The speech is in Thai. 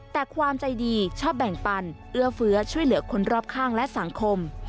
แต่ความใจดีชอบแบ่งปันเอื้อเฟื้อช่วยเหลือคนรอบข้างและสังคม